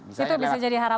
itu bisa jadi harapan